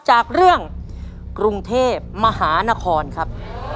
จากเรื่องกรุงเทพมหานครครับ